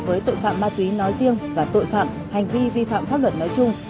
với tội phạm ma túy nói riêng và tội phạm hành vi vi phạm pháp luật nói chung